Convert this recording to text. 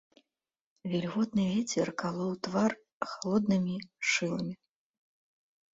Вільготны вецер калоў твар халоднымі шыламі.